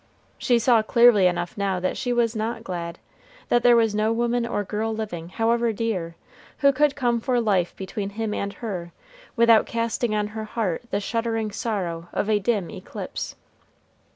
She saw clearly enough now that she was not glad, that there was no woman or girl living, however dear, who could come for life between him and her, without casting on her heart the shuddering sorrow of a dim eclipse.